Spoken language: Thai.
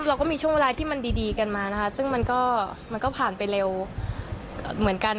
เราก็มีช่วงเวลาที่มันดีกันมานะคะซึ่งมันก็มันก็ผ่านไปเร็วเหมือนกัน